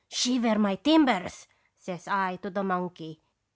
"' Shiver my timbers !' says I to the mon key.